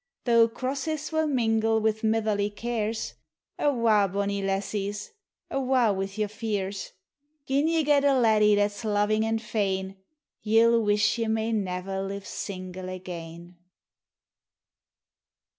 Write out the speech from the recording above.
Though crosses will mingle wi' mitherly cares, Awa', bonnie lassies — awa' wi' your fears; < Jin ye get a laddie that 's loving and fain, Ye '11 wish ye may never live single again.